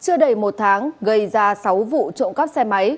chú thị xã duy tiên đối tượng gây ra vụ cướp tiệm vàng trên địa bàn